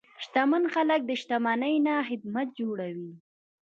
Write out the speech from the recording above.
شتمن خلک د شتمنۍ نه خدمت جوړوي.